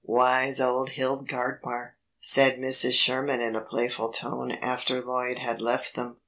"Wise old Hildgardmar," said Mrs. Sherman in a playful tone after Lloyd had left them.